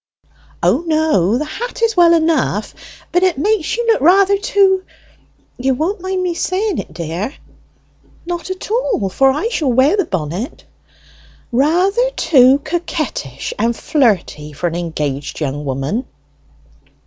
"O no; the hat is well enough; but it makes you look rather too you won't mind me saying it, dear?" "Not at all, for I shall wear the bonnet." " Rather too coquettish and flirty for an engaged young woman."